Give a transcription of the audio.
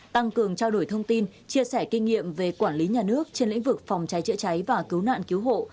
tăng cường trao đổi thông tin chia sẻ kinh nghiệm về quản lý nhà nước trên lĩnh vực phòng cháy chữa cháy và cứu nạn cứu hộ